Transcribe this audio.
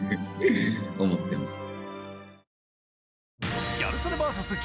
思ってます。